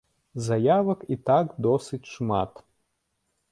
Заявак і так досыць шмат.